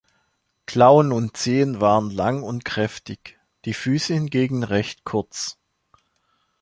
Klauen und Zehen waren lang und kräftig, die Füße hingegen recht kurz.